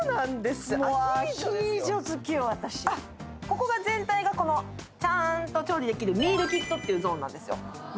ここが全体がちゃーんと調理できるミールキットっていうゾーンなんですよ。